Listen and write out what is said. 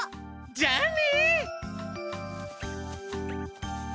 じゃあね！